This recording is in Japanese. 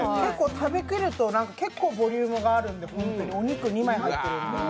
食べ切ると結構ボリュームがあるので本当に、お肉入ってるので。